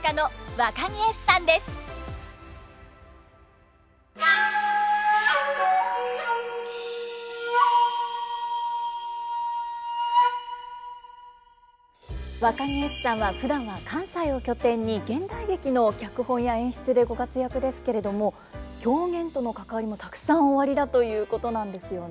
わかぎゑふさんはふだんは関西を拠点に現代劇の脚本や演出でご活躍ですけれども狂言との関わりもたくさんおありだということなんですよね。